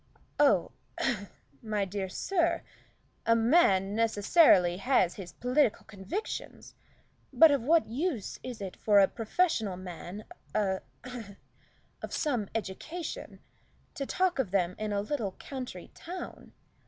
"Oh a my dear sir a man necessarily has his political convictions, but of what use is it for a professional man a of some education, to talk of them in a little country town?